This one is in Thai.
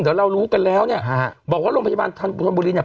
เดี๋ยวเรารู้กันแล้วเนี่ยฮะบอกว่าโรงพยาบาลทันธนบุรีเนี่ย